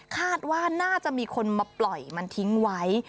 คาดว่าน่าจะมีคนมาปล่อยมันทิ้งไว้